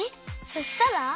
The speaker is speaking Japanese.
そしたら？